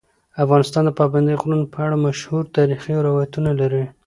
افغانستان د پابندی غرونه په اړه مشهور تاریخی روایتونه لري.